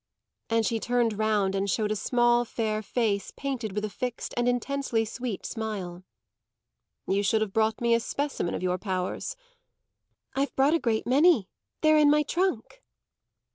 And she turned round and showed a small, fair face painted with a fixed and intensely sweet smile. "You should have brought me a specimen of your powers." "I've brought a great many; they're in my trunk."